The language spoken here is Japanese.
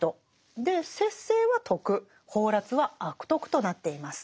で節制は徳放埓は悪徳となっています。